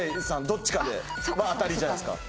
どっちかでは当たりじゃないですか